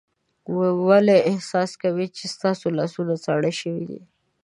ولې احساس کوئ چې ستاسو لاسونه ساړه شوي دي؟